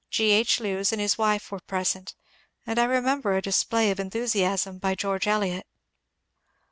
G. H. Lewes and his wife were present, and I remember a display of en thusiasm by George Eliot.